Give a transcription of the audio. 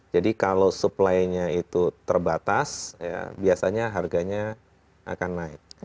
jadi kalau supply nya itu terbatas biasanya harganya akan naik